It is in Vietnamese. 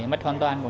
mất hoàn toàn